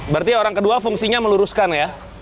berarti orang kedua fungsinya meluruskan ya